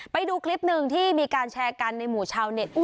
ไปดูคลิปหนึ่งที่มีการแชร์กันในหมู่ชาวเน็ต